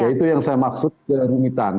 itu yang saya maksud kerumitan